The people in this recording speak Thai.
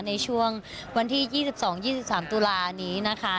ในช่วงวันที่๒๒๒๓ตุลานี้นะคะ